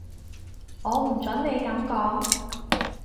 我唔準你噉講